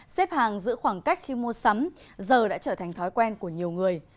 xếp hàng giữ khoảng cách khi mua sắm giờ đã trở thành thói quen của nhiều người